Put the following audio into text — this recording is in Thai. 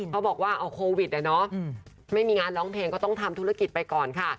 เขาบอกว่าเอาโควิดอะเนาะไม่มีงานร้องเพลงก็ต้องทำธุรกิจไปก่อนค่ะ